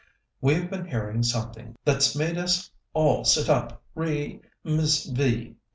We've been hearing something that's made us all sit up re Miss V.